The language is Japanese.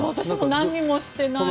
何もしてないです。